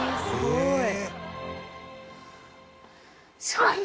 すごい。